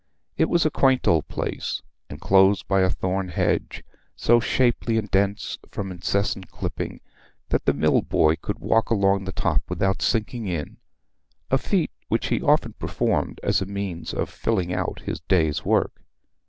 It was a quaint old place, enclosed by a thorn hedge so shapely and dense from incessant clipping that the mill boy could walk along the top without sinking in a feat which he often performed as a means of filling out his day's work.